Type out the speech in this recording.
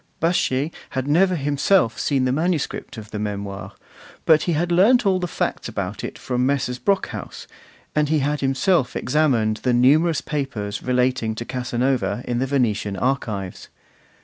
Baschet had never himself seen the manuscript of the Memoirs, but he had learnt all the facts about it from Messrs. Brockhaus, and he had himself examined the numerous papers relating to Casanova in the Venetian archives.